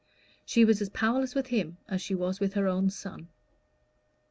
She was as powerless with him as she was with her own son.